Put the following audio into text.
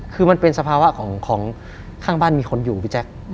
คือมันเป็นสภาวะของข้างบ้านมีคนอยู่พี่แจ๊ค